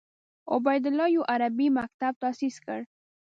عبیدالله یو عربي مکتب تاسیس کړ.